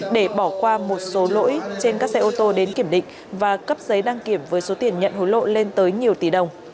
để bỏ qua một số lỗi trên các xe ô tô đến kiểm định và cấp giấy đăng kiểm với số tiền nhận hối lộ lên tới nhiều tỷ đồng